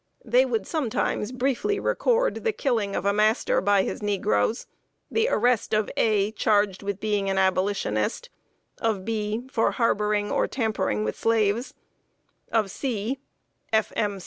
They would sometimes record briefly the killing of a master by his negroes; the arrest of A., charged with being an Abolitionist; of B., for harboring or tampering with slaves; of C. f. m.